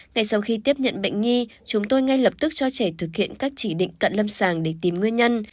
ngay sau khi tiếp nhận bệnh nhi chúng tôi ngay lập tức cho trẻ thực hiện các chỉ định cận lâm sàng để tìm nguyên nhân